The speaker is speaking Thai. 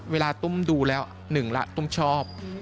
ตุ้มดูแล้วหนึ่งละตุ้มชอบ